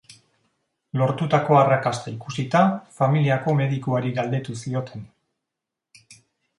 Lortutako arrakasta ikusita, familiako medikuari galdetu zioten.